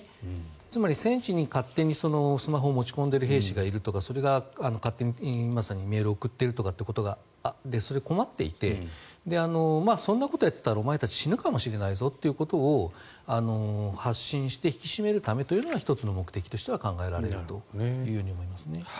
つまり戦地に勝手にスマホを持ち込んでいる兵士がいるとかそれが勝手にメールを送ってるとかってことでそれで困っていてそんなことをやっていたらお前たち、死ぬかもしれないぞということを発信して引き締めるためというのが１つの目的としては考えられると思いますね。